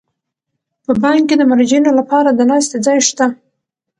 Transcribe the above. په بانک کې د مراجعینو لپاره د ناستې ځای شته.